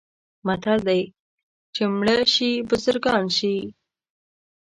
متل دی: چې مړه شي بزرګان شي.